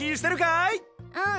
うん。